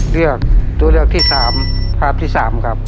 เลือกตัวเลือกที่๓ภาพที่๓ครับ